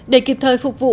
để kịp thời phục vụ